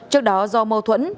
trước đó do mâu thuẫn